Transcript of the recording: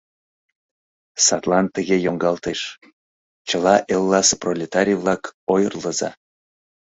Садлан тыге йоҥгалтеш: «Чыла элласе пролетарий-влак, ойырлыза!».